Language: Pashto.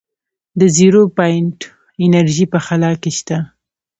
د زیرو پاینټ انرژي په خلا کې شته.